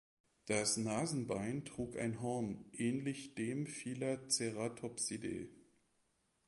Das Nasenbein trug ein Horn, ähnlich dem vieler Ceratopsidae.